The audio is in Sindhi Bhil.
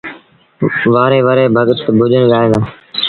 وآري وآري تي ڀڳت ڀُڄن ڳائيٚݩ دآ